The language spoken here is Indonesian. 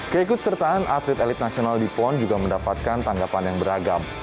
keikut sertaan atlet elit nasional di pon juga mendapatkan tanggapan yang beragam